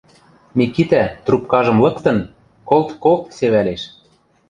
Микитӓ, трубкажым лыктын, колт-колт севӓлеш.